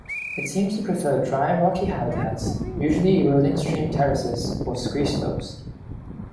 It seems to prefer dry, rocky habitats, usually eroding stream terraces or scree slopes.